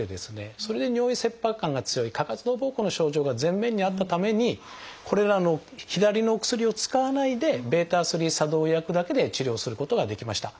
それで尿意切迫感が強い過活動ぼうこうの症状が前面にあったためにこれらの左のお薬を使わないでβ作動薬だけで治療することができました。